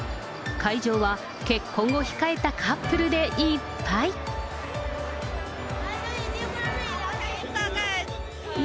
会場は結婚を控えたカップルでいっぱい。